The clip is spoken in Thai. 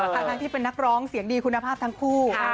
ทั้งที่เป็นนักร้องเสียงดีคุณภาพทั้งคู่